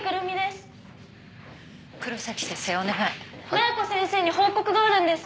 麻弥子先生に報告があるんです。